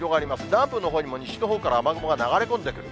南部のほうにも西のほうから雨雲が流れ込んでくる。